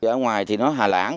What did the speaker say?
ở ngoài thì nó hà lãng